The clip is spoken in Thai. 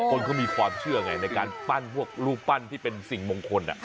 คนเขามีความเชื่อไงในการปั้นพวกรูปปั้นที่เป็นสิ่งมงคล